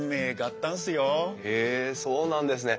へえそうなんですね。